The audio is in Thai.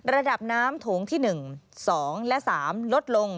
ระดับน้ำโถงที่๑๒และ๓ลดลง